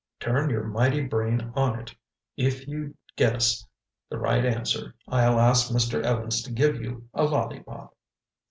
Turn your mighty brain on it. If you guess the right answer I'll ask Mr. Evans to give you a lollipop."